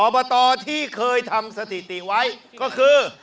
อบตที่เคยทำสถิติไว้ก็คือ